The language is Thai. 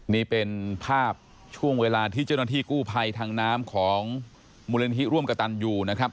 นี่เป็นภาพช่วงเวลาที่เจ้าหน้าที่กู้ภัยทางน้ำของมูลนิธิร่วมกระตันอยู่นะครับ